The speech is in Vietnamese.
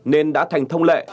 nên đã thành thông lệ